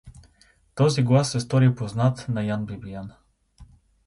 Този глас се стори познат на Ян Бибиян.